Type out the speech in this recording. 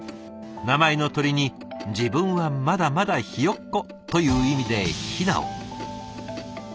名前の「鳥」に自分はまだまだひよっこという意味で「雛」を。